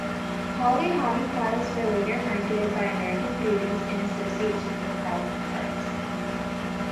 Holly Hobbie products were later marketed by American Greetings in association with Carlton Cards.